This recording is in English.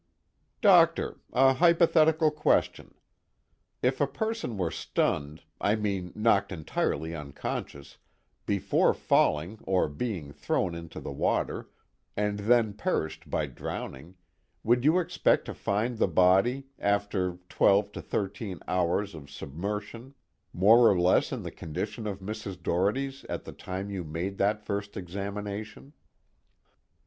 "Doctor, a hypothetical question: if a person were stunned, I mean knocked entirely unconscious, before falling or being thrown into the water, and then perished by drowning, would you expect to find the body, after twelve to thirteen hours of submersion, more or less in the condition of Mrs. Doherty's at the time you made that first examination?"